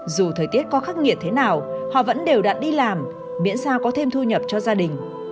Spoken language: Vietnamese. dù thời tiết có khắc nghiệt thế nào họ vẫn đều đặn đi làm miễn sao có thêm thu nhập cho gia đình